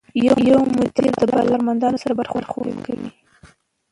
یو مدیر به له کارمندانو سره برخورد کوي.